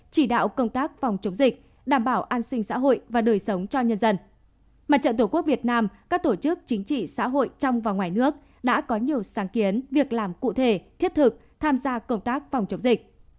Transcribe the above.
các tổ chức chính trị xã hội trong và ngoài nước đã có nhiều sáng kiến việc làm cụ thể thiết thực tham gia công tác phòng chống dịch